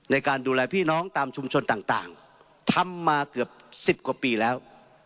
ในการดูแลพี่น้องตามชุมชนต่างทำมาเกือบ๑๐กว่าปีแล้ว